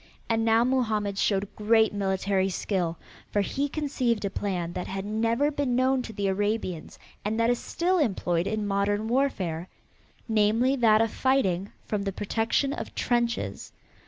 And now Mohammed showed great military skill, for he conceived a plan that had never been known to the Arabians and that is still employed in modern warfare, namely that of fighting from the protection of trenches.